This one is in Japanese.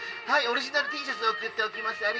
はいオリジナルＴシャツ送っておきます